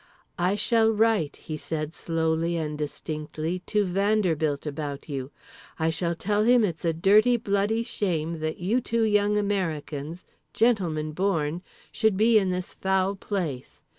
"I shall write," he said slowly and distinctly, "to Vanderbilt about you. I shall tell him it's a dirty bloody shame that you two young Americans, gentlemen born, should be in this foul place.